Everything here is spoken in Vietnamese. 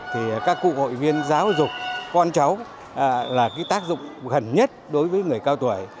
thì các cụ hội viên giáo dục con cháu là cái tác dụng gần nhất đối với người cao tuổi